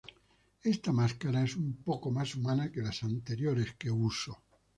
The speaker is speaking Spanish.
Ésta máscara es un poco más humana que las anteriores que usó.